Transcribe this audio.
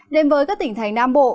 đến với các tỉnh thành nam bộ